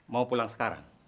mau pulang sekarang